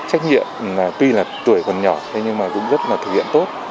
cái trách nhiệm tuy là tuổi còn nhỏ nhưng mà cũng rất là thực hiện tốt